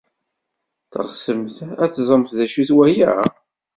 Teɣsemt ad teẓremt d acu-t waya?